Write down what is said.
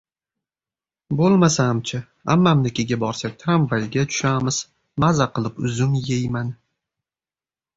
Bo‘lmasa-chi, ammamnikiga borsak, tramvayga tushamiz! Maza qilib uzum yeyman!